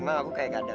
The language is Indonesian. emang aku kayak kadal